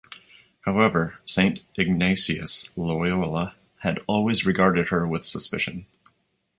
However, Saint Ignatius Loyola had always regarded her with suspicion.